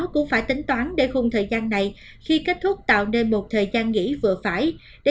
cũng phải tính toán để khung thời gian này khi kết thúc tạo nên một thời gian nghỉ vừa phải để